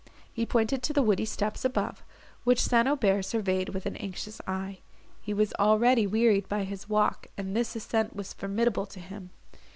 He pointed to the woody steeps above, which St. Aubert surveyed with an anxious eye. He was already wearied by his walk, and this ascent was formidable to him.